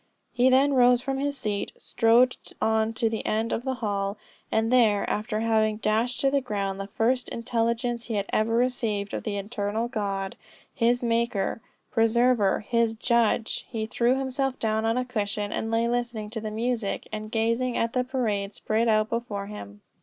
... "He then rose from his seat, strode on to the end of the hall, and there, after having dashed to the ground the first intelligence he had ever received of the eternal God, his Maker, Preserver, his Judge, he threw himself down on a cushion, and lay listening to the music, and gazing at the parade spread out before him."